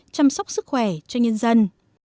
chăm sóc sức khỏe cho nhân dân